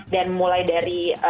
dan mulai dari